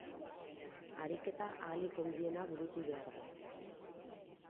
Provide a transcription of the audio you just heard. Ariketa ahalik ongiena burutu behar da.